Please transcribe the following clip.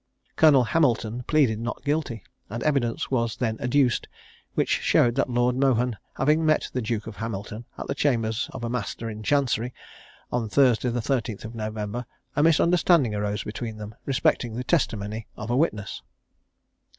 Colonel Hamilton pleaded not guilty; and evidence was then adduced, which showed that Lord Mohun having met the Duke of Hamilton at the chambers of a master in chancery, on Thursday the 13th of November, a misunderstanding arose between them respecting the testimony of a witness.